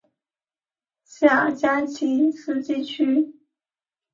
谢尔加奇斯基区。